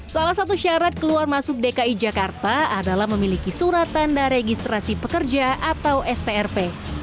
salah satu syarat keluar masuk dki jakarta adalah memiliki surat tanda registrasi pekerja atau strp